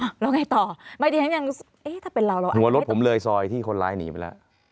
แล้วไงต่อไม่ดีฉันยังเอ๊ะถ้าเป็นเราแล้วหัวรถผมเลยซอยที่คนร้ายหนีไปแล้ว